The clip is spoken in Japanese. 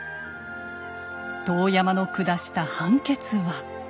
遠山の下した判決は。